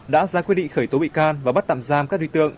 đã ra quyết định khởi tố bị can và bắt tạm giam các đối tượng